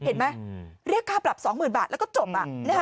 เห็นไหมเรียกค่าปรับ๒๐๐๐บาทแล้วก็จบ